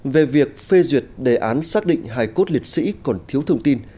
về việc phê duyệt đề án xác định hài cốt liệt sĩ còn thiếu thông tin